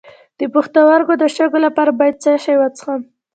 د پښتورګو د شګو لپاره باید څه شی وڅښم؟